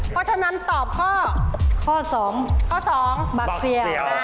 เพราะฉะนั้นตอบข้อ๒บักเสี่ยว